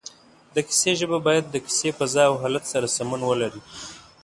د کیسې ژبه باید د کیسې فضا او حالت سره سمون ولري